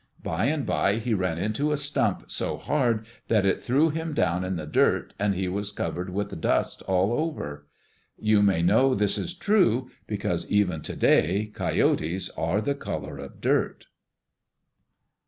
By and by he ran into a stump so hard that it threw him down in the dirt and he was covered with dust all over. You may know this is true because even to day coyotes are the color of dirt.